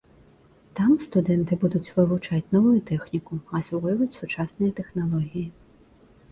Там студэнты будуць вывучаць новую тэхніку, асвойваць сучасныя тэхналогіі.